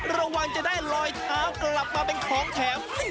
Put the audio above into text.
ระวังจะได้ลอยเท้ากลับมาเป็นของแถม